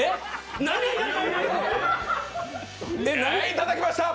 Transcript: いただきますね。